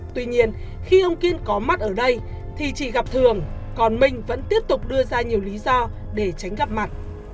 tuy nhiên khi ông kiên có mặt ở đây thì chị gặp thường còn minh vẫn tiếp tục đưa ra nhiều lý do để tránh gặp mặt